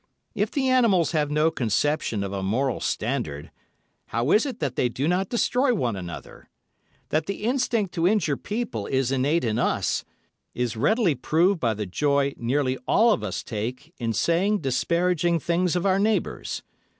If the animals have no conception of a moral standard, how is it that they do not destroy one another? That the instinct to injure people is innate in us is readily proved by the joy nearly all of us take in saying disparaging things of our neighbours.